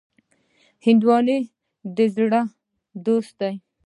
هندوانه د زړه دوست دی.